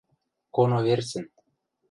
— Коно верцӹн.